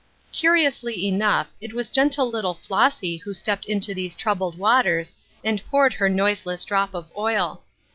Curiousl}^ enough, it was gentle little Flossy who stepped into these troubled waters, and poured her noiseless drop of oil.